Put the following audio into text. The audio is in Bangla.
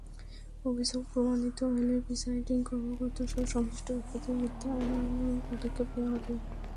অভিযোগ প্রমাণিত হলে প্রিসাইডিং কর্মকর্তাসহ সংশ্লিষ্ট ব্যক্তিদের বিরুদ্ধে আইনানুগ পদক্ষেপ নেওয়া হবে।